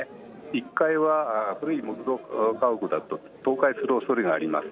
１階は古い木造家屋だと倒壊する恐れがあります。